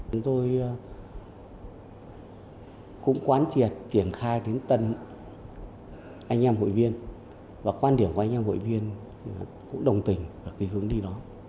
chúng tôi cũng quán triệt triển khai đến tận anh em hội viên và quan điểm của anh em hội viên cũng đồng tình và cái hướng đi đó